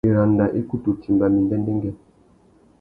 Wiranda i kutu timba mí ndêndêngüê.